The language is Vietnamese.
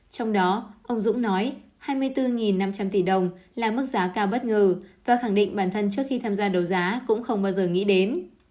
trong đó ông dũng nói hai mươi bốn năm trăm linh tỷ đồng là mức giá cao bất ngờ và khẳng định bản thân trước khi tham gia đấu giá cũng không bao giờ nghĩ đến